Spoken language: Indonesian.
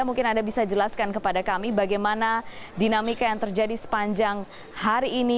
mungkin anda bisa jelaskan kepada kami bagaimana dinamika yang terjadi sepanjang hari ini